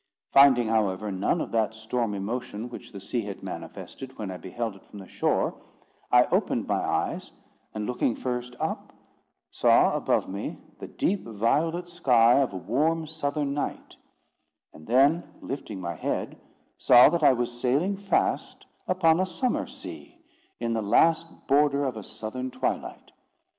Finding, however, none of that stormy motion which the sea had manifested when I beheld it from the shore, I opened my eyes; and, looking first up, saw above me the deep violet sky of a warm southern night; and then, lifting my head, saw that I was sailing fast upon a summer sea, in the last border of a southern twilight.